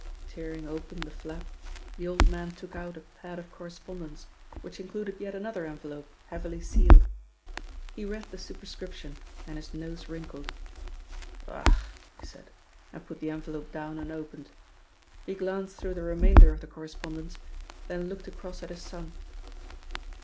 Tearing open the flap, the old man took out a pad of correspondence, which included yet another envelope heavily sealed. He read the superscription and his nose wrinkled. "Ugh!" he said, and put the envelope down unopened. He glanced through the remainder of the correspondence, then looked across at his son.